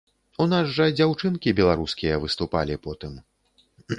У нас жа дзяўчынкі беларускія выступалі потым.